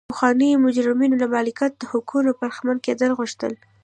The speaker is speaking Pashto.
پخوانیو مجرمینو د مالکیت له حقونو برخمن کېدل غوښتل.